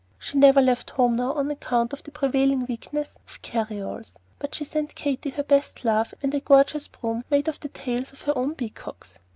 She never left home now on account of the prevailing weakness of carryalls; but she sent Katy her best love and a gorgeous broom made of the tails of her own peacocks.